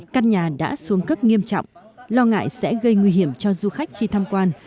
căn nhà đã xuống cấp nghiêm trọng lo ngại sẽ gây nguy hiểm cho du khách khi tham quan